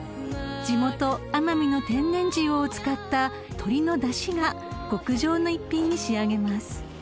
［地元奄美の天然塩を使った鶏のだしが極上の一品に仕上げます］